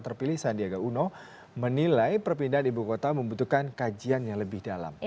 terpilih sandiaga uno menilai perpindahan ibu kota membutuhkan kajian yang lebih dalam